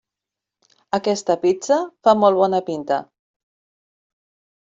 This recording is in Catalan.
Aquesta pizza fa molt bona pinta.